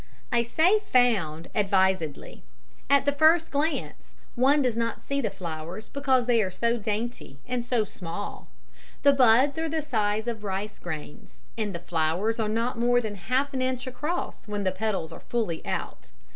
I say "found" advisedly at the first glance one does not see the flowers because they are so dainty and so small. The buds are the size of rice grains, and the flowers are not more than half an inch across when the petals are fully out.